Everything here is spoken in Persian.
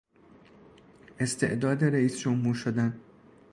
استعداد رییس جمهور شدن